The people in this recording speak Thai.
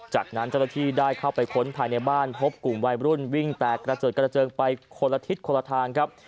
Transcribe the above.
จากนั้นเจ้าหน้าที่ได้เข้าไปค้นภายในบ้านพบกลุ่มวัยรุ่นวิ่งแตกกระเจิดกระเจิงไปคนละทิศคนละทางครับ